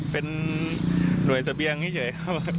เป็นหน่วยเสบียงเฉย